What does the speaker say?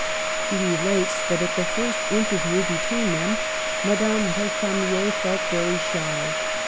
He relates that, at the first inter view between them, Madame Ricamier felt very shy.